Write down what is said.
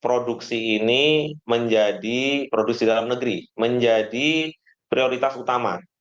produksi ini menjadi produksi dalam negeri menjadi prioritas utama